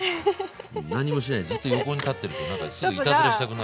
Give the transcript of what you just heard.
何もしないでジッと横に立ってるとなんかすぐいたずらしたくなる。